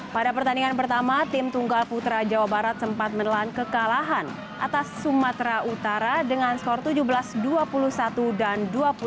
pada pertandingan pertama tim tunggal putra jawa barat sempat menelan kekalahan atas sumatera utara dengan skor tujuh belas dua puluh satu dan dua puluh satu